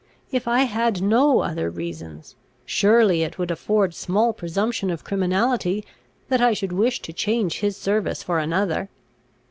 If I had no other reasons, surely it would afford small presumption of criminality that I should wish to change his service for another.